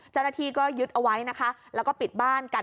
เจ้าหน้าที่ก็ยึดเอาไว้นะคะแล้วก็ปิดบ้านกัน